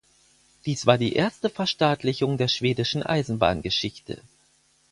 Dies war die erste Verstaatlichung der schwedischen Eisenbahngeschichte.